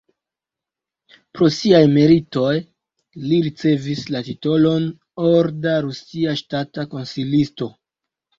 Pro siaj meritoj li ricevis la titolon "Orda rusia ŝtata konsilisto".